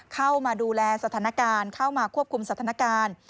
เข้ามาดูแลสถานการณ์เข้ามาควบคุมสถานการณ์